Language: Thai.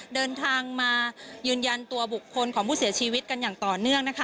เดินทางมายืนยันตัวบุคคลของผู้เสียชีวิตกันอย่างต่อเนื่องนะคะ